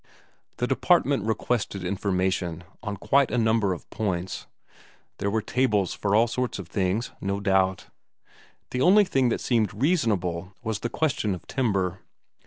The Department requested information on quite a number of points there were tables for all sorts of things, no doubt. The only thing that seemed reasonable was the question of timber.